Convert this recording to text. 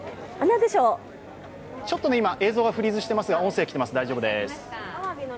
今、映像がフリーズしていますが音声は来ていますので大丈夫です。